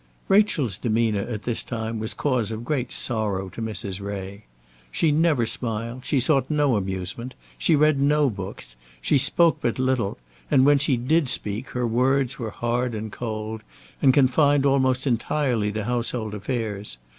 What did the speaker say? Rachel's demeanour at this time was cause of great sorrow to Mrs. Ray. She never smiled. She sought no amusement. She read no books. She spoke but little, and when she did speak her words were hard and cold, and confined almost entirely to household affairs.